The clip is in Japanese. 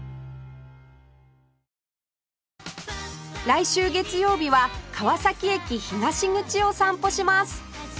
来週月曜日は川崎駅東口を散歩します